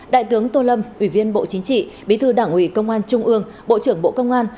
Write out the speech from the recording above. đại tướng tô lâm ủy viên bộ chính trị bí thư đảng ủy công an trung ương bộ trưởng bộ công an